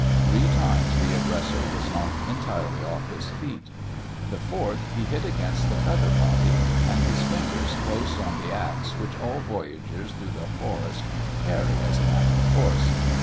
Three times the aggressor was knocked entirely off his feet. The fourth he hit against the cutter body, and his fingers closed on the axe which all voyagers through the forest carry as a matter of course.